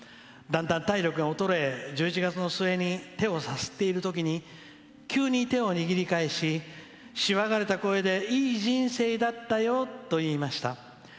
だんだん体力が衰え１１月の末に手をさすっているときに急に手を握り返ししわがれた声で「いい人生だったよ」と言いました。